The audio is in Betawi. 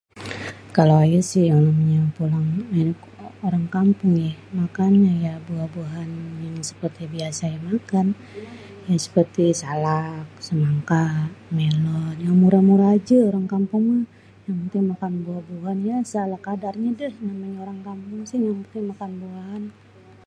kalo ayé si yang namanya orang kampung ya makannya buah-buahan yang seperti biase ayé makan, yang seperti salak, semangka, melon yang murah-murah ajê orang kampung mêh, yang penting makan buah-buahan yang se ala kadar nye ajê dêh yang namenyê orang kampung si yang penting bisa makan buahan.